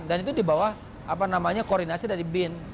dan itu dibawah koordinasi dari bin